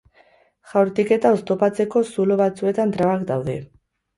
Jaurtiketa oztopatzeko zulo batzuetan trabak daude.